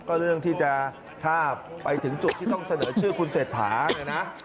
ก็เรื่องที่จะถ้าไปถึงจุดที่ต้องเสนอชื่อคุณเศรษฐาเนี่ยนะ